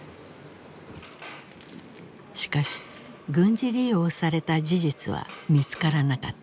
しかし軍事利用された事実は見つからなかった。